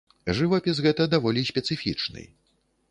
Жывапіс гэта даволі спецыфічны.